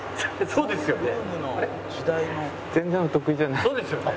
そうですよね。